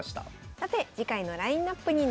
さて次回のラインナップになります。